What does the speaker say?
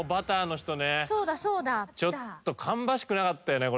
ちょっと芳しくなかったよね